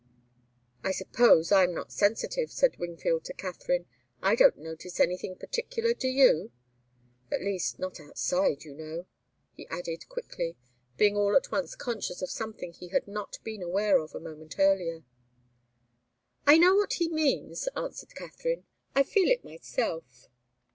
"I suppose I'm not sensitive," said Wingfield to Katharine. "I don't notice anything particular, do you? At least not outside, you know," he added, quickly, being all at once conscious of something he had not been aware of a moment earlier. "I know what he means," answered Katharine. "I feel it myself.